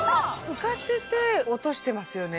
浮かせて落としてますよね